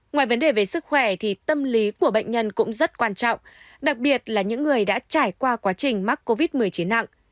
ngoài vấn đề về sức khỏe thì tâm lý của bệnh nhân cũng rất quan trọng đặc biệt là những người đã trải qua quá trình mắc covid một mươi chín nặng